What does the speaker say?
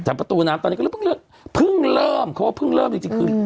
แต่ประตูน้ำตอนนี้ก็เพิ่งเลิก